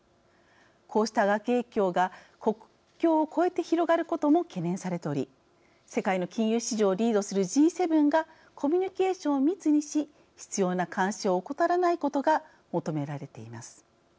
こうした悪影響が国境を越えて広がることも懸念されており世界の金融市場をリードするＧ７がコミュニケーションを密にし必要な監視を怠らないことが求められています。